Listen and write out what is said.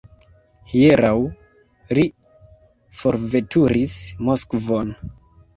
Hieraŭ li forveturis Moskvon.